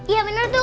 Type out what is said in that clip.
iya bener tuh